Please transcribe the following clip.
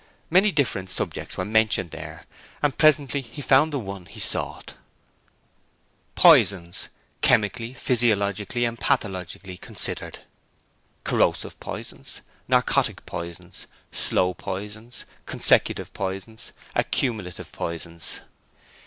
Many different subjects were mentioned there and presently he found the one he sought: Poisons: chemically, physiologically and pathologically considered. Corrosive Poisons. Narcotic Poisons. Slow Poisons. Consecutive Poisons. Accumulative Poisons.